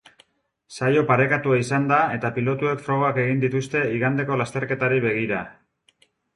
Saio parekatua izan da eta pilotuek frogak egin dituzte igandeko lasterketari begira.